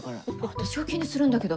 私が気にするんだけど。